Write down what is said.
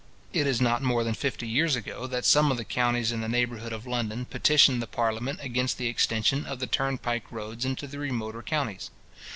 It is not more than fifty years ago, that some of the counties in the neighbourhood of London petitioned the parliament against the extension of the turnpike roads into the remoter counties.